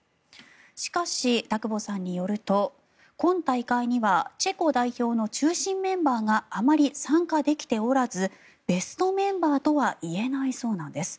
しかし、田久保さんによると今大会にはチェコ代表の中心メンバーがあまり参加できておらずベストメンバーとはいえないそうなんです。